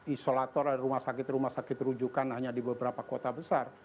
isolator ada rumah sakit rumah sakit rujukan hanya di beberapa kota besar